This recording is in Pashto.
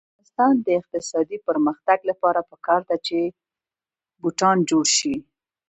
د افغانستان د اقتصادي پرمختګ لپاره پکار ده چې بوټان جوړ شي.